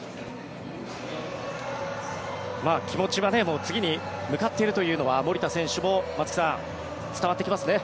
気持ちは次に向かっているというのは守田選手も松木さん伝わってきますね。